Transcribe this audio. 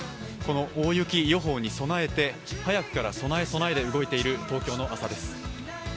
この大雪予報に備えて早くから備え備えで動いている東京の朝です。